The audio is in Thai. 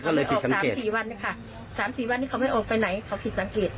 ก็เลยออก๓๔วันนะคะ๓๔วันนี้เขาไม่ออกไปไหนเขาผิดสังเกต